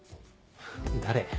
誰？